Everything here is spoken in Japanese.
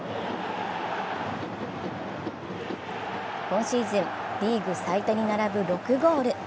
今シーズン、リーグ最多に並ぶ６ゴール。